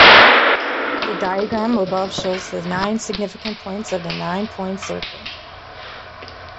The diagram above shows the nine significant points of the nine-point circle.